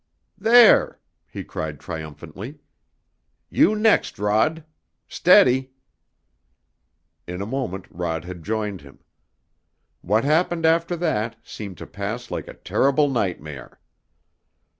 "There!" he cried triumphantly. "You next, Rod! Steady!" In a moment Rod had joined him. What happened after that seemed to pass like a terrible nightmare.